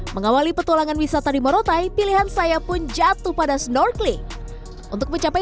mengawali petualangan wisata di morotai pilihan saya pun jatuh pada snorkeling untuk mencapai